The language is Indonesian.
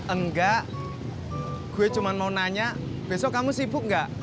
enggak gue cuma mau nanya besok kamu sibuk nggak